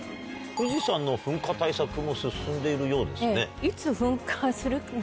富士山の噴火対策も進んでいるようですね。